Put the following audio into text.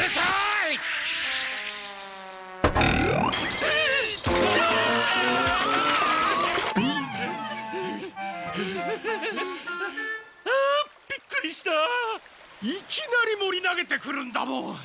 いきなりモリ投げてくるんだもん！